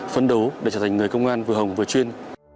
phấn đấu để trở thành người công an vừa hồng vừa chuyên